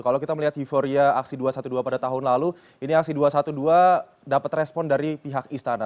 kalau kita melihat euforia aksi dua ratus dua belas pada tahun lalu ini aksi dua ratus dua belas dapat respon dari pihak istana